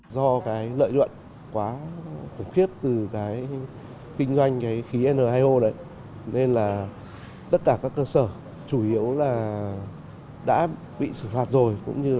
do lợi dụng quá khủng khiếp từ kinh doanh khí n hai o nên tất cả các cơ sở chủ yếu đã bị sự phạt rồi